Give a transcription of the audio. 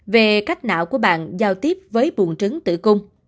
về cách não của bạn giao tiếp với bùn trứng tử cung